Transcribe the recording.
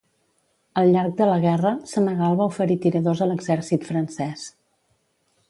Al llarg de la guerra, Senegal va oferir tiradors a l'exèrcit francès.